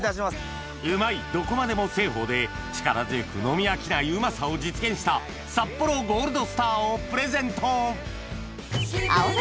「うまいどこまでも製法」で力強く飲み飽きないうまさを実現した「サッポロＧＯＬＤＳＴＡＲ」をプレゼント